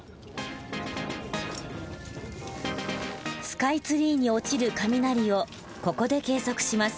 スカイツリーに落ちる雷をここで計測します。